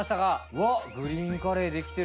うわっグリーンカレー出来てる。